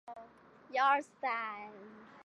默拉克。